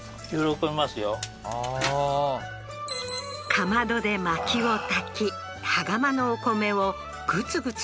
かまどでまきをたき羽釜のお米をグツグツ